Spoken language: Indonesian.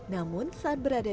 namun saat berada